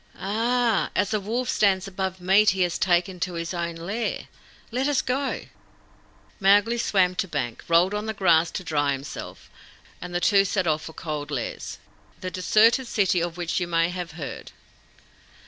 "Ah! As a wolf stands above meat he has taken to his own lair. Let us go." Mowgli swam to bank, rolled on the grass to dry himself, and the two set off for Cold Lairs, the deserted city of which you may have heard.